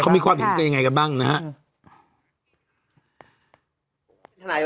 มีความหิว